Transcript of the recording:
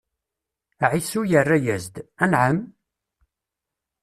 Ɛisu yerra-yas-d: Anɛam!